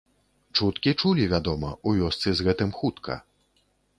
Чуткі чулі вядома, у вёсцы з гэтым хутка.